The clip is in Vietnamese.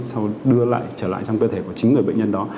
sau đưa lại trở lại trong cơ thể của chính người bệnh nhân đó